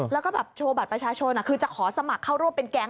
แล้วก็แบบโชว์บัตรประชาชนคือจะขอสมัครเข้าร่วมเป็นแก๊ง